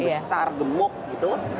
besar gemuk gitu